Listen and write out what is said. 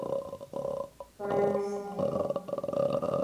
Kaļksneit.